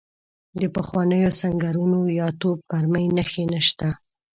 د پخوانیو سنګرونو یا توپ مرمۍ نښې نشته.